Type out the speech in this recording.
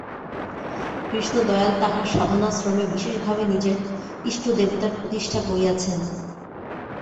কৃষ্ণদয়াল তাঁহার সাধনাশ্রমে বিশেষভাবে নিজের ইষ্টদেবতার প্রতিষ্ঠা করিয়াছেন।